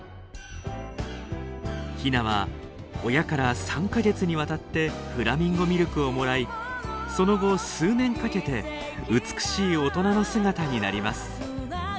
ヒナは親から３か月にわたってフラミンゴミルクをもらいその後数年かけて美しい大人の姿になります。